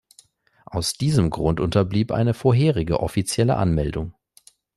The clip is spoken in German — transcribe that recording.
Aus diesem Grunde unterblieb eine vorherige offizielle Anmeldung.